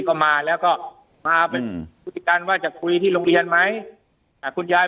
ก็มาแล้วก็มาไปคุยกันว่าจะคุยที่โรงเดียนไหมแต่คุณยาย